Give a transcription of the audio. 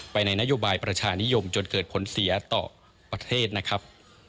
ในนโยบายประชานิยมจนเกิดผลเสียต่อประเทศนะครับ